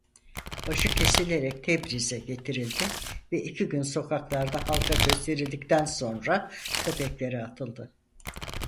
Başı kesilerek Tebriz'e getirildi ve iki gün sokaklarda halka gösterildikten sonra köpeklere atıldı.